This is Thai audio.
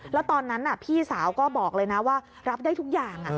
แล้วตอนนั้นพี่สาวก็บอกเลยนะว่ารับได้ทุกอย่าง